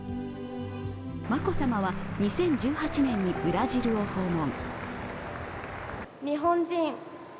眞子さまは２０１８年にブラジルを訪問。